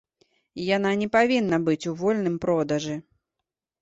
Яна не павінна быць у вольным продажы.